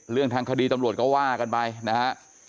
เรื่องทางคดีตำรวจก็ว่ากันไปนะฮะ